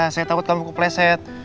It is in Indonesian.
saya takut kamu kepleset